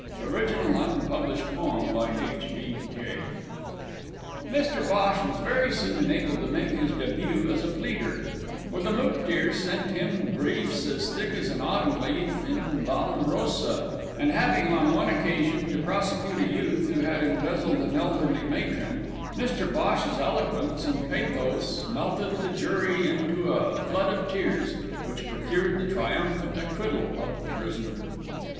Original unpublished Poem by H. B. J. Mr Bhosh was very soon enabled to make his debût as a pleader, for the Mooktears sent him briefs as thick as an Autumn leaf in Vallambrosa, and, having on one occasion to prosecute a youth who had embezzled an elderly matron, Mr Bhosh's eloquence and pathos melted the jury into a flood of tears which procured the triumphant acquittal of the prisoner.